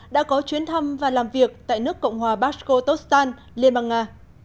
đã có chuyến thăm và làm việc tại nước cộng hòa baskotostan liên bang nga